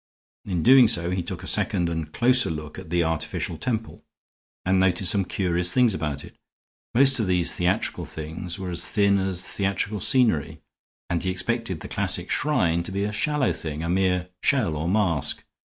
In doing so he took a second and closer look at the artificial temple, and noted some curious things about it. Most of these theatrical things were as thin as theatrical scenery, and he expected the classic shrine to be a shallow thing, a mere shell or mask.